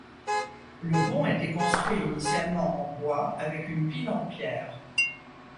Le pont était construit initialement en bois, avec une pile en pierre.